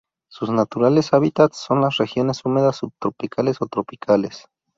Sus naturales hábitats son las regiones húmedas subtropicales o tropicales.